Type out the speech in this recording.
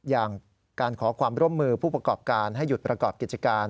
อย่างการขอความร่วมมือผู้ประกอบการให้หยุดประกอบกิจการ